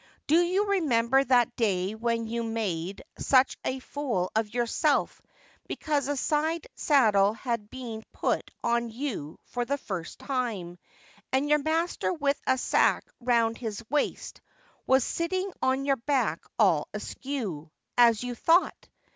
Do you remember that day when you made such a fool of yourself because a side saddle had been put on you for the first time, and your master with a sack round his waist was sitting on your back all askew, as you thought.